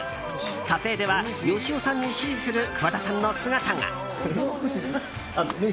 撮影ではヨシオさんに指示する桑田さんの姿が。